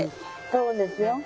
そうですよ。